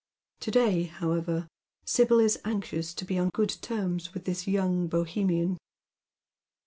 To day, however, Sibyl is anxious to be on good tenus witii tliis young Bohemian.